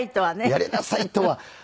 「やりなさい」とは。